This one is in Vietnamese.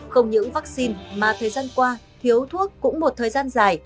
không những vaccine mà thời gian qua thiếu thuốc cũng một thời gian dài